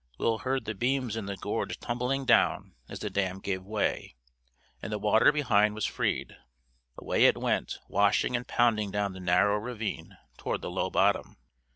Will heard the beams in the gorge tumbling as the dam gave way, and the water behind was freed. Away it went, washing and pounding down the narrow ravine, toward the low bottom.